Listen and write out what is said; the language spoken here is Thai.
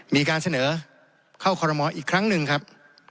มีการเสนอเข้าคอรมอลอีกครั้งหนึ่งครับ